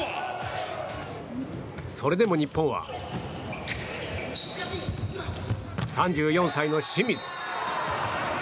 それでも日本は、３４歳の清水。